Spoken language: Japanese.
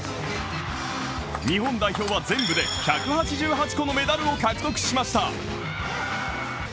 日本代表は全部で１８８個のメダルを獲得しました。